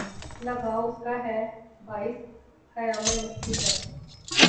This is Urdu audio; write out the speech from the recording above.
لگاؤ اس کا ہے باعث قیامِ مستی کا